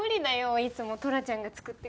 いつもトラちゃんが作ってくれてるし。